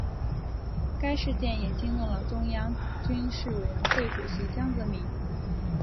该事件也惊动了中央军事委员会主席江泽民。